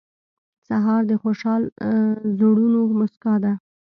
سهار د خوشحال زړونو موسکا ده.